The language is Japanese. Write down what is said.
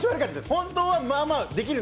本当はまあまあできる。